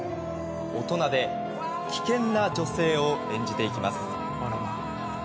大人で危険な女性を演じていきます。